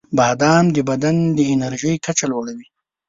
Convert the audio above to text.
• بادام د بدن د انرژۍ کچه لوړه کوي.